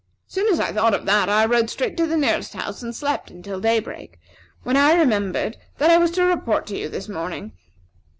As soon as I thought of that, I rode straight to the nearest house, and slept until daybreak, when I remembered that I was to report to you this morning.